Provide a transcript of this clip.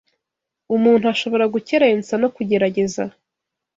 Umuntu ashobora gukerensa no kugerageza